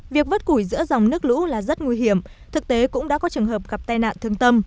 việc vất củi giữa dòng nước lũ là rất nguy hiểm thực tế cũng đã có trường hợp gặp tai nạn thương tâm